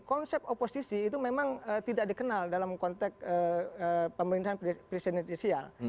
konsep oposisi itu memang tidak dikenal dalam konteks pemerintahan presiden edisial